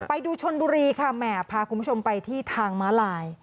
ไปดูชนบุรีค่ะแหมพาคุณผู้ชมไปที่ทางม้าลาย